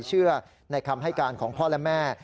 เชื่อในคำให้การของพ่อและแม่